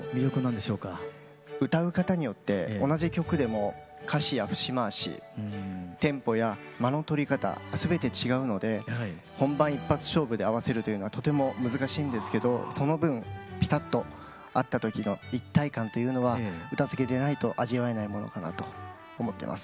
うたう方によって同じ曲でも歌詞や節回しテンポや間のとり方全て違うので本番一発勝負で合わせるというのはとても難しいんですけどその分ぴたっと合った時の一体感というのは唄付でないと味わえないものかなと思ってます。